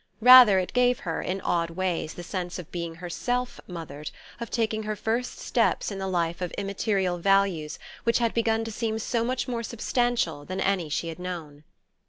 Rather it gave her, in odd ways, the sense of being herself mothered, of taking her first steps in the life of immaterial values which had begun to seem so much more substantial than any she had known.